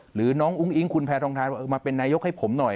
หรือน้องอุ้งอิงคุณแพทองทานมาเป็นนายกให้ผมหน่อย